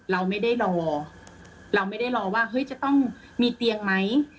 เราไม่ได้รอเราไม่ได้รอว่าเฮ้ยจะต้องมีเตียงไหม